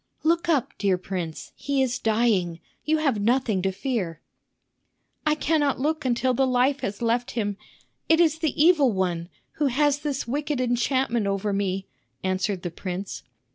"Look up, dear prince, he is dying. You have nothing to fear." "I cannot look until the life has left him. It is the evil one, who has this wicked enchantment over me," answered the prince.